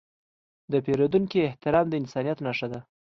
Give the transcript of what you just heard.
د پیرودونکي احترام د انسانیت نښه ده.